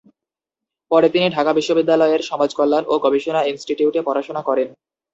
পরে তিনি ঢাকা বিশ্ববিদ্যালয়ের সমাজকল্যাণ ও গবেষণা ইনস্টিটিউটে পড়াশোনা করেন।